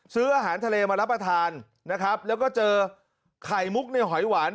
ซื้ออาหารทะเลมารับประทานนะครับแล้วก็เจอไข่มุกในหอยหวาน